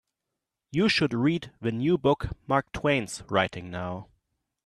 You should read the new book Mark Twain's writing now.